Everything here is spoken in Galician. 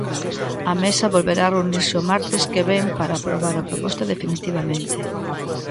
A mesa volverá reunirse o martes que vén para aprobar a proposta definitivamente.